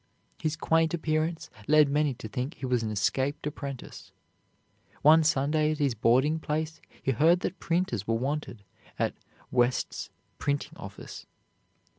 His quaint appearance led many to think he was an escaped apprentice. One Sunday at his boarding place he heard that printers were wanted at "West's Printing office."